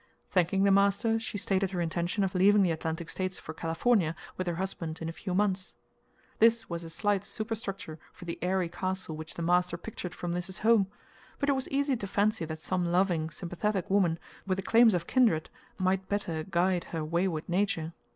Thanking the master, she stated her intention of leaving the Atlantic States for California with her husband in a few months. This was a slight superstructure for the airy castle which the master pictured for Mliss's home, but it was easy to fancy that some loving, sympathetic woman, with the claims of kindred, might better guide her wayward nature.